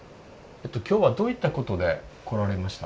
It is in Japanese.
今日はどういったことで来られました？